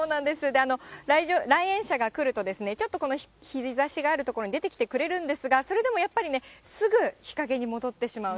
来園者が来ると、ちょっと日ざしがある所に出てきてくれるんですが、それでもやっぱりすぐ日陰に戻ってしまう、